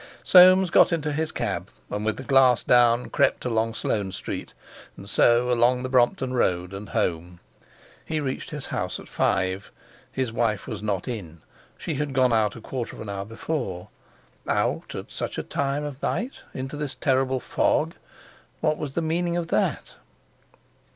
Soames got into his cab, and, with the glass down, crept along Sloane Street, and so along the Brompton Road, and home. He reached his house at five. His wife was not in. She had gone out a quarter of an hour before. Out at such a time of night, into this terrible fog! What was the meaning of that?